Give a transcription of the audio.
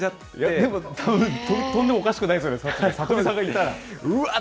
でも、飛んでもおかしくないですよね、うわっ！